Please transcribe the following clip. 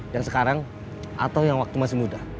yang sekarang atau yang waktu masih muda